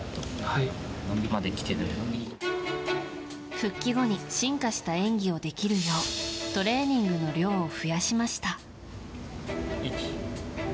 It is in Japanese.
復帰後に進化した演技をできるようトレーニングの量を増やしました。